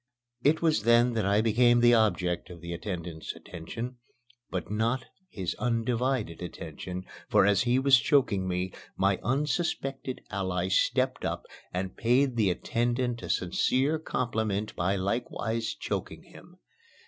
It was then that I became the object of the attendant's attention but not his undivided attention for as he was choking me, my unsuspected ally stepped up and paid the attendant a sincere compliment by likewise choking him.